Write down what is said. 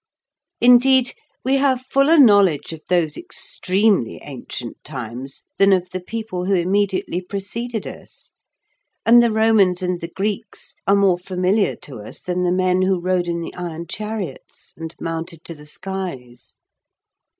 Indeed, we have fuller knowledge of those extremely ancient times than of the people who immediately preceded us, and the Romans and the Greeks are more familiar to us than the men who rode in the iron chariots and mounted to the skies.